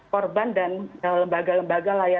korban dan lembaga lembaga